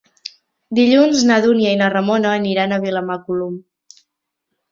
Dilluns na Dúnia i na Ramona aniran a Vilamacolum.